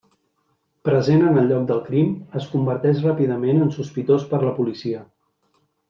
Present en el lloc del crim, es converteix ràpidament en sospitós per la policia.